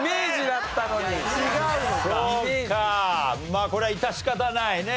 まあこれは致し方ないね。